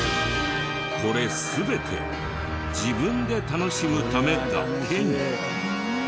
これ全て自分で楽しむためだけに。